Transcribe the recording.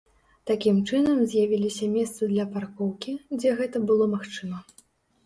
Такім чынам з'явіліся месцы для паркоўкі, дзе гэта было магчыма.